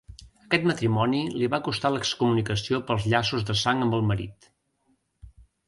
Aquest matrimoni li va costar l'excomunicació pels llaços de sang amb el marit.